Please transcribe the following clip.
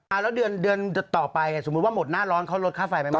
แล้วเดือนเดือนต่อไปสมมุติว่าหมดหน้าร้อนเขาลดค่าไฟไปหมด